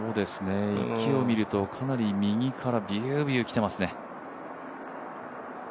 木を見るとかなり右からビュービューきてますね。